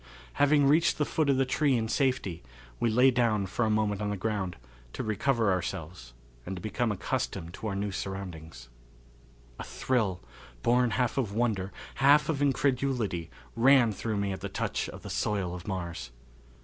Having reached the foot of the tree in safety, we lay down for a moment on the ground to recover ourselves and to become accustomed to our new surroundings. A thrill, born half of wonder, half of incredulity, ran through me at the touch of the soil of Mars.